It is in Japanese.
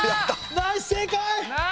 ナイス正解！